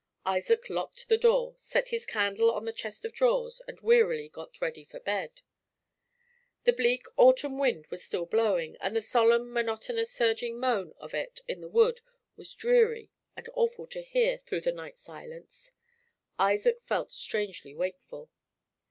Isaac locked the door, set his candle on the chest of drawers, and wearily got ready for bed. The bleak autumn wind was still blowing, and the solemn, monotonous, surging moan of it in the wood was dreary and awful to hear through the night silence. Isaac felt strangely wakeful.